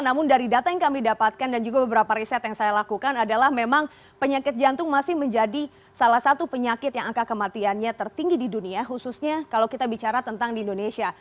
namun dari data yang kami dapatkan dan juga beberapa riset yang saya lakukan adalah memang penyakit jantung masih menjadi salah satu penyakit yang angka kematiannya tertinggi di dunia khususnya kalau kita bicara tentang di indonesia